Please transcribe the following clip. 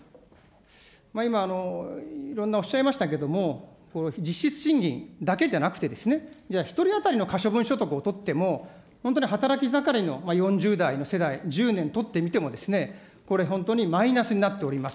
今、いろんなおっしゃいましたけども、実質賃金だけじゃなくて、じゃあ１人当たりの可処分所得をとっても、本当に働き盛りの４０代の世代、１０年取ってみても、これ、本当にマイナスになっております。